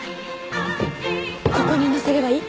ここにのせればいい？